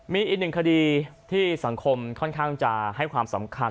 มีอีกหนึ่งคดีที่สังคมค่อนข้างจะให้ความสำคัญ